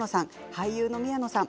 俳優の宮野さん